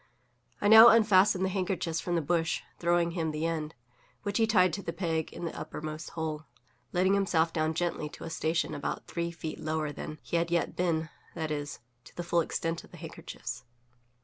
I now unfastened the handkerchiefs from the bush, throwing him the end, which he tied to the peg in the uppermost hole, letting himself down gently to a station about three feet lower than he had yet been that is, to the full extent of the handkerchiefs.